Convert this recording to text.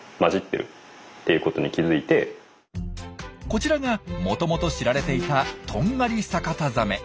こちらがもともと知られていたトンガリサカタザメ。